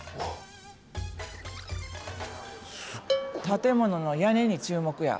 建物の屋根に注目や。